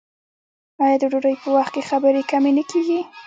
آیا د ډوډۍ په وخت کې خبرې کمې نه کیږي؟